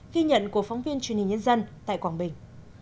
ghi nhận của phóng viên truyền hình nhân dân tại quảng bình